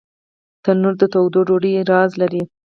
تنور د تودو ډوډیو راز لري